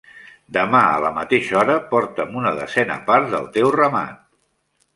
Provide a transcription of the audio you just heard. Demà a la mateixa hora porta'm una desena part del teu ramat.